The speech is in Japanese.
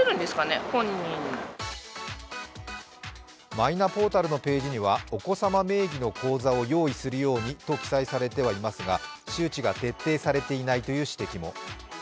マイナポータルのページには、お子様名義の口座を用意するようにと記載されてはいますが、周知が徹底されていないという指摘も。